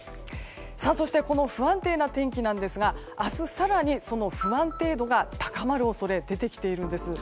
そしてこの不安定な天気なんですが明日、更にその不安定度が高まる恐れが出てきています。